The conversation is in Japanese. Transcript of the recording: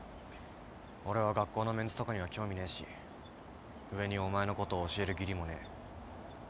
俺は学校のメンツとかには興味ねえし上にお前のことを教える義理もねえ。